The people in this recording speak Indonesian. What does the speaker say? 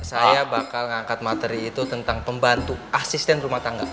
saya bakal ngangkat materi itu tentang pembantu asisten rumah tangga